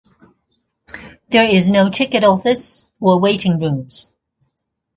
There is no ticket office or waiting rooms.